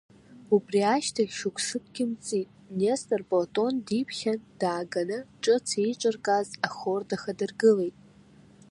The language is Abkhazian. Убри ашьҭахь шықәсыкгьы мҵит, Нестор Платон диԥхьаны дааганы ҿыц еиҿыркааз ахор дахадыргылеит.